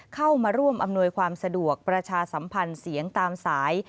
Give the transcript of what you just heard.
เข้ามาร่วมอำนวยความสะดวกประชาสัมพันธ์เสียงตามสาย